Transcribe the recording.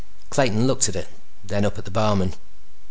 Clayton looked at it, then up at the barman.